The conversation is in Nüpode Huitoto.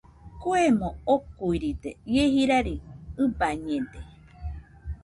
Kuemo okuiride, ie jira ɨbañede.